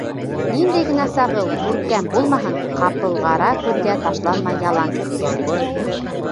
Ниндәй генә сағыу, күркәм булмаһын, ҡапылғара күҙгә ташланмай ялан сәскәһе.